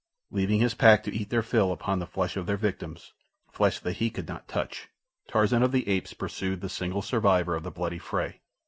Leaving his pack to eat their fill upon the flesh of their victims—flesh that he could not touch—Tarzan of the Apes pursued the single survivor of the bloody fray.